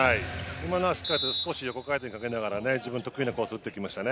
今のはしっかりと少し横回転をかけながら自分の得意なコースを打ってきましたね。